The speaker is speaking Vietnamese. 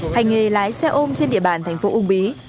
hành nghề lái xe ôm trên địa bàn thành phố uông bí